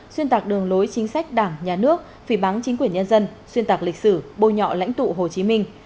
xuyên tạc đường lối chính sách đảng nhà nước phỉ bắn chính quyền nhân dân xuyên tạc lịch sử bôi nhọ lãnh tụ hồ chí minh